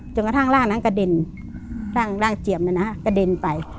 จนกระทั่งร่างนั้นกระเด็นร่างเจียมเนี่ยนะฮะกระเด็นไป